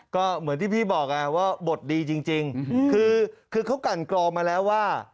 ก็เหมือนที่พี่บอกว่าบทดีจริงคือเขากันกรองมาแล้วว่า